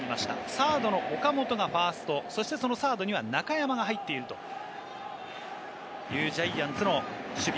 サードの岡本がファースト、そしてそのサードには中山が入っているというジャイアンツの守備。